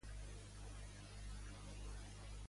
Es va posar trist Víctor?